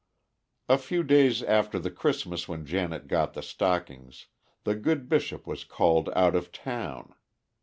A few days after the Christmas when Janet got the stockings, the good Bishop was called out of town.